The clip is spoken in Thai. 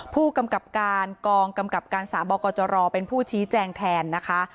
ผู้กำกับการกองกำกับการสาบกจรเป็นผู้ชี้แจงแทนนะคะ